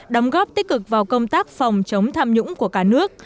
đóng góp tích cực vào công tác phòng chống tham nhũng của cả nước